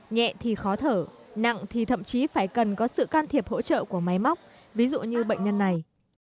nhẹ thì khó thở nặng thì thậm chí phải cần có sự can thiệp hỗ trợ của máy móc ví dụ như bệnh nhân này